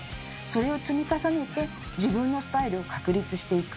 それを積み重ねて自分のスタイルを確立していく。